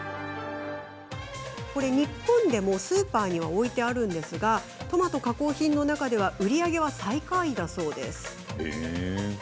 日本でもスーパーには置いてあるのですがトマト加工品の中では売り上げ最下位だそうです。